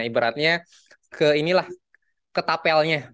ibaratnya ke ini lah ke tapelnya